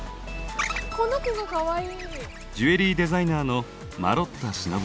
この子がかわいい。